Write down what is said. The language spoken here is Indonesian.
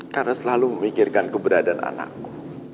karena selalu memikirkan keberadaan anakku